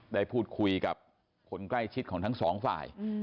ได้พูดคุยกับคนใกล้ชิดของทั้งสองฝ่าย